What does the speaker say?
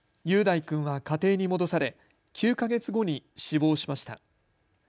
雄大君は家庭に戻され９か月後に死亡しました。